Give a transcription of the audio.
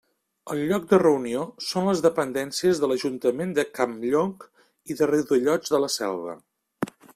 El lloc de reunió són les dependències de l'Ajuntament de Campllong i de Riudellots de la Selva.